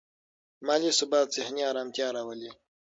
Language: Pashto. مالي ثبات ذهني ارامتیا راولي.